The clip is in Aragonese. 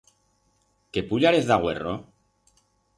Que puyarez d'agüerro?